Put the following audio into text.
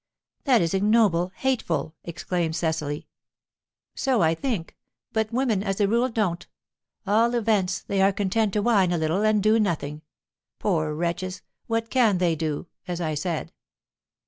"That is ignoble, hateful!" exclaimed Cecily. "So I think, but women as a rule don't. At all events, they are content to whine a little, and do nothing. Poor wretches, what can they do, as I said?"